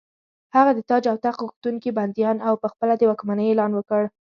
هغه د تاج او تخت غوښتونکي بندیان او په خپله د واکمنۍ اعلان وکړ.